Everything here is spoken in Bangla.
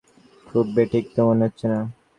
খুব বেঠিক তো মনে হচ্ছে না।